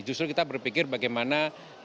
justru kita berpikir bagaimana